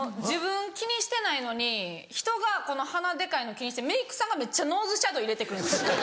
自分気にしてないのにひとが鼻デカいの気にしてメークさんがめっちゃノーズシャドー入れて来る。